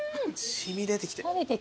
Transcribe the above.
染み出てきて。